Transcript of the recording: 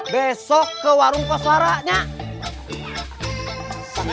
besok ke warung kos suaranya